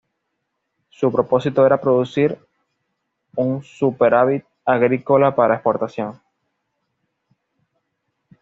Su propósito era producir un superávit agrícola para exportación.